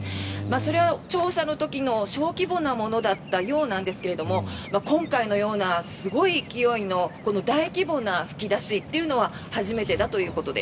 それは調査の時の小規模なものだったようですが今回のようなすごい勢いの大規模な噴き出しというのは初めてだということです。